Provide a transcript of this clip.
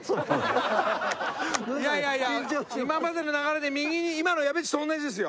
いやいやいや今までの流れで右に今のやべっちと同じですよ。